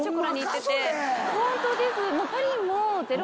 本当です！